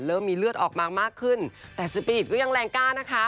มีเลือดออกมามากขึ้นแต่สปีริตก็ยังแรงกล้านะคะ